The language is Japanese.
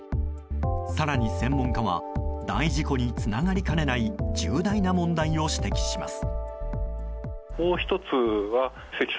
更に専門家は大事故につながりかねない重大な問題を指摘します。